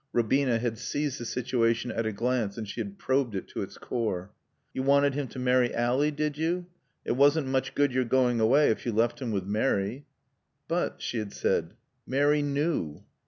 (Robina had seized the situation at a glance and she had probed it to its core.) "You wanted him to marry Ally, did you? It wasn't much good you're going away if you left him with Mary." "But," she had said, "Mary knew."